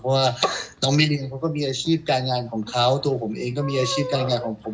เพราะว่าน้องมิเรียงเขาก็มีอาชีพการงานของเขาตัวผมเองก็มีอาชีพการงานของผม